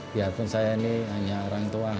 biarpun saya ini hanya orang tua